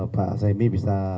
pak semi bisa